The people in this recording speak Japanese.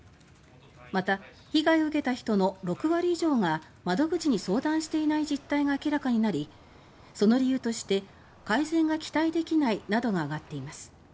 また、被害を受けた人の６割以上が窓口に相談していない実態が明らかになり、その理由として「改善が期待できない」などが挙がっています。